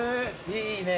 いいね